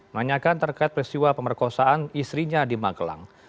nanyakan terkait peristiwa pemerkosaan istrinya di magelang